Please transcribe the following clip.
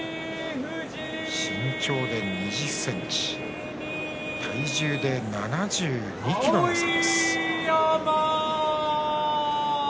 身長で２０ｃｍ体重で７２ｋｇの差があります。